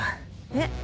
えっ？